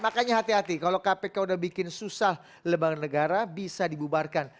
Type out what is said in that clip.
makanya hati hati kalau kpk udah bikin susah lembaga negara bisa dibubarkan